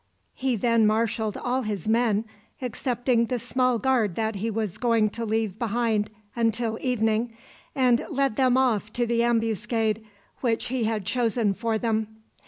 He then marshaled all his men, excepting the small guard that he was going to leave behind until evening, and led them off to the ambuscade which he had chosen for them.